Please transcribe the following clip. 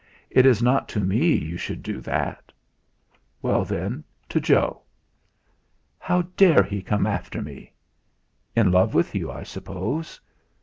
It is not to me you should do that." "Well, then, to Joe." "How dare he come after me?" "In love with you, I suppose."